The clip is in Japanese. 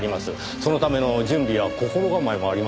そのための準備や心構えもありますからねぇ。